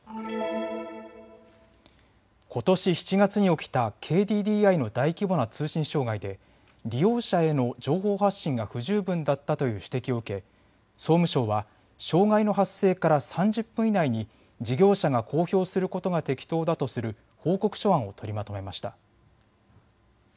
ことし７月に起きたＫＤＤＩの大規模な通信障害で利用者への情報発信が不十分だったという指摘を受け総務省は障害の発生から３０分以内に事業者が公表することが適当だとする報告書案を取りまとめました。